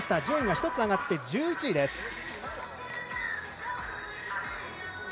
順位が１つ上がって、１１位です。